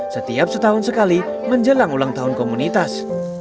setiap setahun sekali menjelang ulang tahun komunitas